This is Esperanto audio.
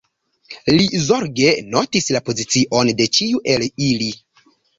Li zorge notis la pozicion de ĉiu el ili.